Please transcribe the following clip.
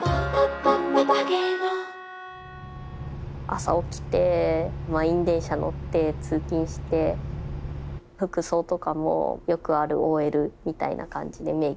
朝起きて満員電車乗って通勤して服装とかもよくあるＯＬみたいな感じでメークも一応して。